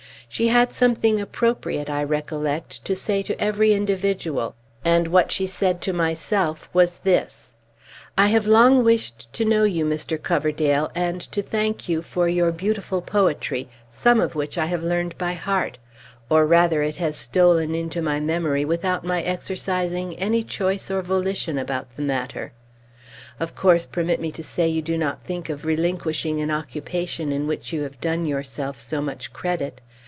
She had something appropriate, I recollect, to say to every individual; and what she said to myself was this: "I have long wished to know you, Mr. Coverdale, and to thank you for your beautiful poetry, some of which I have learned by heart; or rather it has stolen into my memory, without my exercising any choice or volition about the matter. Of course permit me to say you do not think of relinquishing an occupation in which you have done yourself so much credit.